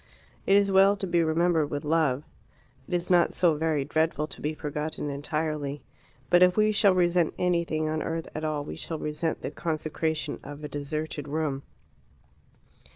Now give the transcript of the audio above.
It is well to be remembered with love. It is not so very dreadful to be forgotten entirely. But if we shall resent anything on earth at all, we shall resent the consecration of a deserted room.